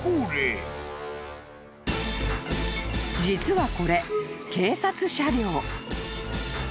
［実はこれ警察車両］